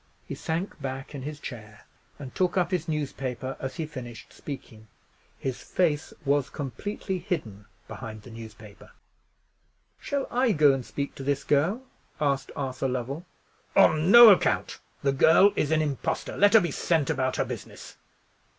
He sank back in his chair, and took up his newspaper as he finished speaking. His face was completely hidden behind the newspaper. "Shall I go and speak to this girl?" asked Arthur Lovell. "On no account! The girl is an impostor. Let her be sent about her business!"